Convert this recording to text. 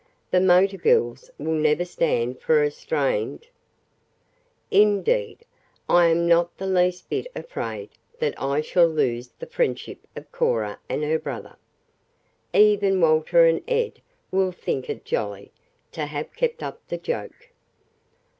"The motor girls will never stand for a 'strained' " "Indeed, I am not the least bit afraid that I shall lose the friendship of Cora and her brother. Even Walter and Ed will think it jolly to have kept up the joke.